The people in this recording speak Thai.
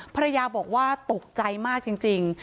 ภรรยาบอกว่าตกใจมากจริง